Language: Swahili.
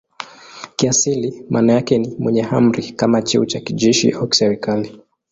Kiasili maana yake ni "mwenye amri" kama cheo cha kijeshi au kiserikali.